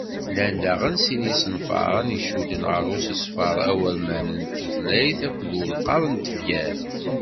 Llan daɣen sin n yisenfaren i icudden ɣer usesfer awurman n tutlayt akked ulqaḍ n tefyar;